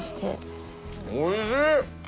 おいしい！